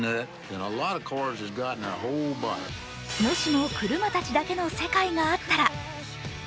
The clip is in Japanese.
もしもクルマたちだけの世界があったら。